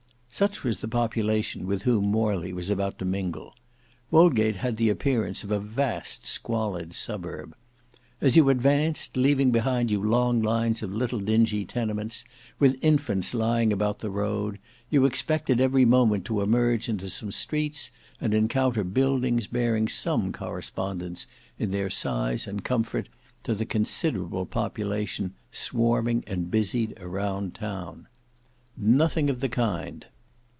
Such was the population with whom Morley was about to mingle. Wodgate had the appearance of a vast squalid suburb. As you advanced, leaving behind you long lines of little dingy tenements, with infants lying about the road, you expected every moment to emerge into some streets and encounter buildings bearing some correspondence in their size and comfort to the considerable population swarming and busied around you. Nothing of the kind.